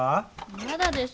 まだです！